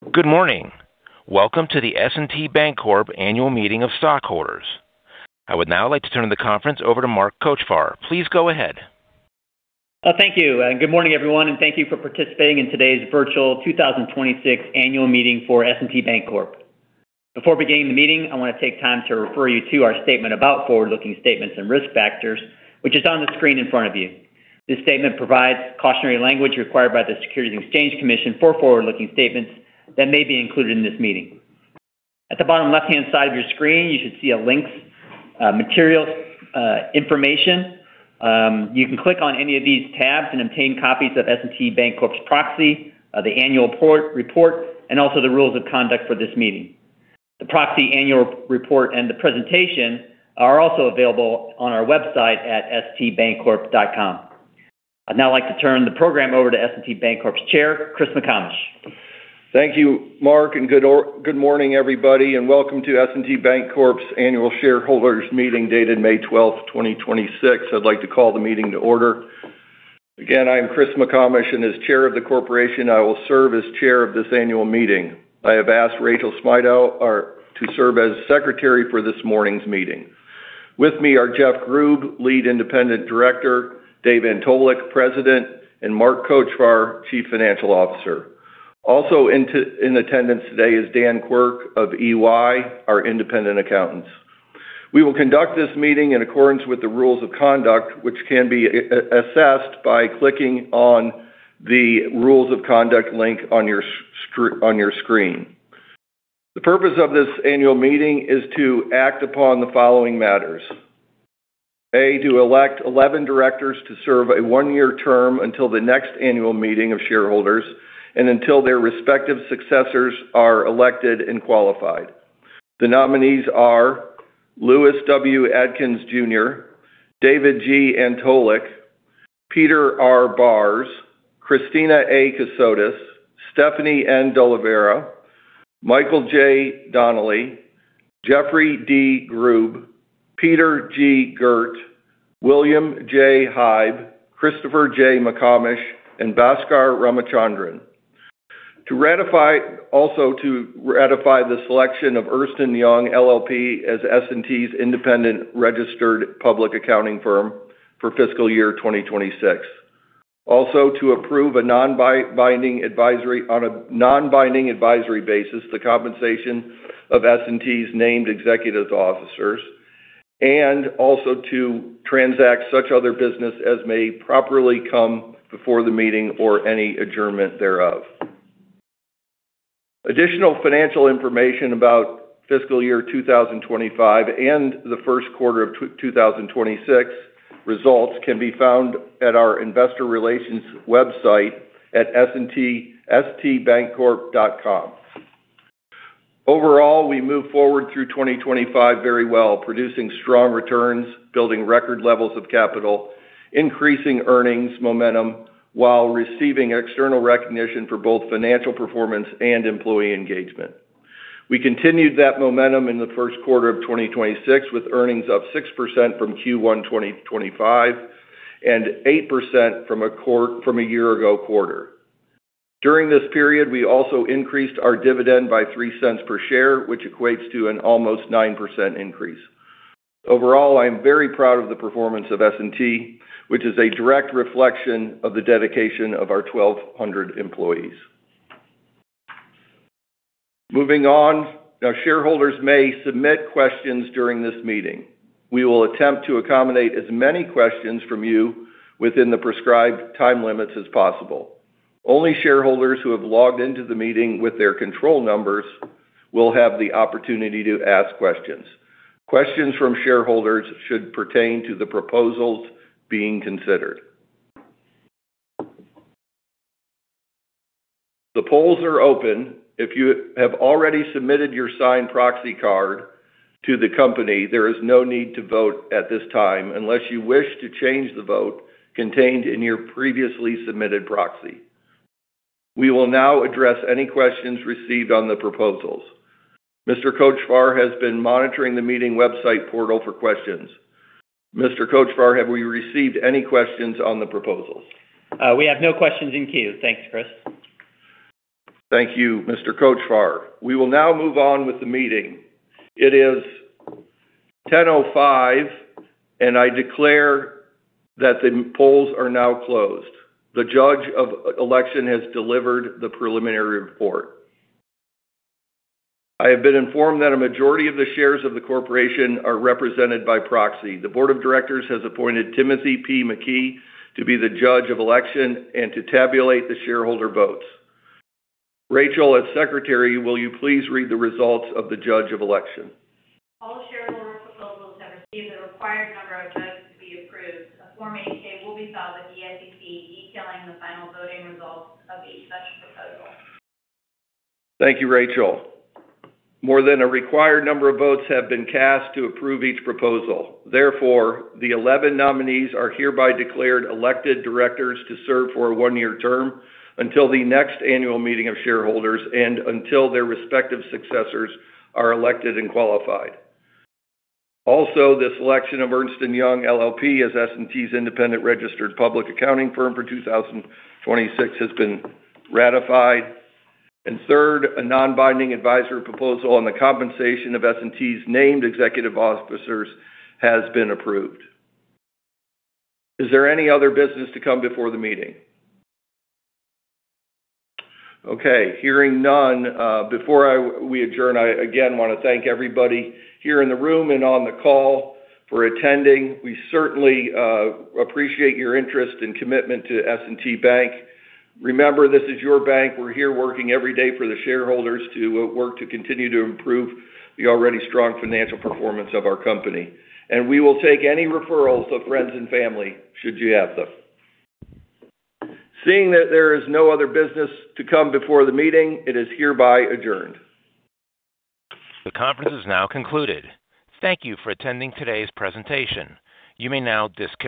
Good morning. Welcome to the S&T Bancorp Annual Meeting of Stockholders. I would now like to turn the conference over to Mark Kochvar. Please go ahead. Thank you, and good morning, everyone, and thank you for participating in today's virtual 2026 annual meeting for S&T Bancorp. Before beginning the meeting, I wanna take time to refer you to our statement about forward-looking statements and risk factors, which is on the screen in front of you. This statement provides cautionary language required by the Securities and Exchange Commission for forward-looking statements that may be included in this meeting. At the bottom left-hand side of your screen, you should see a Links, Materials, Information. You can click on any of these tabs and obtain copies of S&T Bancorp's proxy, the annual report, and also the rules of conduct for this meeting. The proxy annual report and the presentation are also available on our website at stbancorp.com. I'd now like to turn the program over to S&T Bancorp's Chair, Chris McComish. Thank you, Mark, and good morning, everybody, and welcome to S&T Bancorp's Annual Shareholders Meeting dated May 12, 2026. I'd like to call the meeting to order. Again, I am Chris McComish, and as Chair of the Corporation, I will serve as Chair of this annual meeting. I have asked Rachel Smydo to serve as secretary for this morning's meeting. With me are Jeff Grube, Lead Independent Director, Dave Antolik, President, and Mark Kochvar, Chief Financial Officer. Also in attendance today is Dan Quirk of EY, our independent accountants. We will conduct this meeting in accordance with the Rules of Conduct, which can be assessed by clicking on the Rules of Conduct link on your screen. The purpose of this annual meeting is to act upon the following matters. To elect 11 directors to serve a 1-year term until the next annual meeting of shareholders and until their respective successors are elected and qualified. The nominees are Lewis W. Adkins Jr., David G. Antolik, Peter R. Barsz, Christina A. Cassotis, Stephanie N. Doliveira, Michael J. Donnelly, Jeffrey D. Grube, Peter G. Gurt, William J. Hieb, Christopher J. McComish, and Bhaskar Ramachandran. To ratify the selection of Ernst & Young LLP as S&T's independent registered public accounting firm for fiscal year 2026. To approve on a non-binding advisory basis, the compensation of S&T's named executive officers, and also to transact such other business as may properly come before the meeting or any adjournment thereof. Additional financial information about fiscal year 2025 and the first quarter of 2026 results can be found at our investor relations website at S&T, stbancorp.com. Overall, we moved forward through 2025 very well, producing strong returns, building record levels of capital, increasing earnings momentum, while receiving external recognition for both financial performance and employee engagement. We continued that momentum in the first quarter of 2026, with earnings up 6% from Q1 2025 and 8% from a year-ago quarter. During this period, we also increased our dividend by $0.03 per share, which equates to an almost 9% increase. Overall, I am very proud of the performance of S&T, which is a direct reflection of the dedication of our 1,200 employees. Moving on. Shareholders may submit questions during this meeting. We will attempt to accommodate as many questions from you within the prescribed time limits as possible. Only shareholders who have logged into the meeting with their control numbers will have the opportunity to ask questions. Questions from shareholders should pertain to the proposals being considered. The polls are open. If you have already submitted your signed proxy card to the company, there is no need to vote at this time unless you wish to change the vote contained in your previously submitted proxy. We will now address any questions received on the proposals. Mr. Kochvar has been monitoring the meeting website portal for questions. Mr. Kochvar, have we received any questions on the proposals? We have no questions in queue. Thanks, Chris. Thank you, Mr. Kochvar. We will now move on with the meeting. It is 10:05, and I declare that the polls are now closed. The judge of election has delivered the preliminary report. I have been informed that a majority of the shares of the corporation are represented by proxy. The board of directors has appointed Timothy P. McKee to be the judge of election and to tabulate the shareholder votes. Rachel, as Secretary, will you please read the results of the judge of election? All shareholder proposals have received the required number of votes to be approved. A Form 8-K will be filed with the SEC detailing the final voting results of each such proposal. Thank you, Rachel. More than a required number of votes have been cast to approve each proposal. The 11 nominees are hereby declared elected directors to serve for a one-year term until the next annual meeting of shareholders and until their respective successors are elected and qualified. The selection of Ernst & Young LLP as S&T's independent registered public accounting firm for 2026 has been ratified. Third, a non-binding advisory proposal on the compensation of S&T's named executive officers has been approved. Is there any other business to come before the meeting? Okay, hearing none, before we adjourn, I again wanna thank everybody here in the room and on the call for attending. We certainly appreciate your interest and commitment to S&T Bank. Remember, this is your bank. We're here working every day for the shareholders to work to continue to improve the already strong financial performance of our company. We will take any referrals of friends and family, should you have them. Seeing that there is no other business to come before the meeting, it is hereby adjourned. The conference is now concluded. Thank you for attending today's presentation. You may now disconnect.